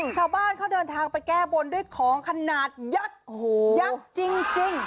ชาวบ้านเขาเดินทางไปแก้บนด้วยของขนาดยักษ์ยักษ์จริง